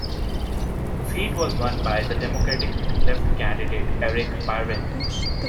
The seat was won by the Democratic Left candidate Eric Byrne.